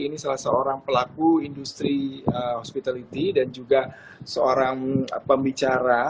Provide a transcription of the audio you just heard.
ini salah seorang pelaku industri hospitality dan juga seorang pembicara